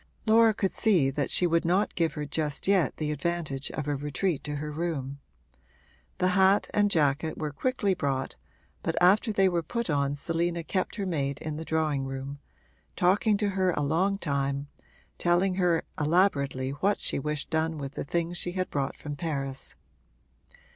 Laura could see that she would not give her just yet the advantage of a retreat to her room. The hat and jacket were quickly brought, but after they were put on Selina kept her maid in the drawing room, talking to her a long time, telling her elaborately what she wished done with the things she had brought from Paris.